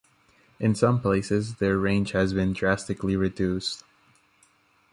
In some places their range has been drastically reduced.